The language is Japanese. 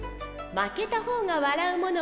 負けた方がわらうもの。